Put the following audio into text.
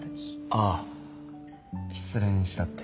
あぁ失恋したって。